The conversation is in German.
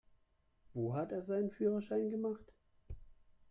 Wo hat der seinen Führerschein gemacht?